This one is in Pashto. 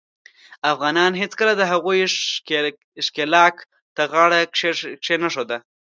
افغانانو هیڅکله د هغوي ښکیلاک ته غاړه کښېنښوده.